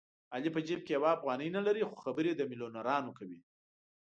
علي په جېب کې یوه افغانۍ نه لري خو خبرې د مېلیونرانو کوي.